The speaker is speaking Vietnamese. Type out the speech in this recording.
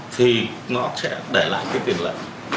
thì nó sẽ để lại cái tiền lợi